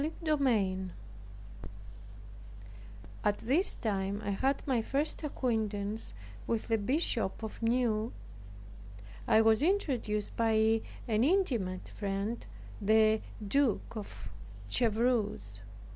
CHAPTER 21 At this time I had my first acquaintance with the Bishop of Meaux. I was introduced by an intimate friend, the Duke of Chevreuse.